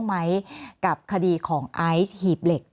แอนตาซินเยลโรคกระเพาะอาหารท้องอืดจุกเสียดแสบร้อน